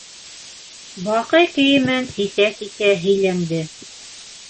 Баҡый кейемен сисә-сисә һөйләнде: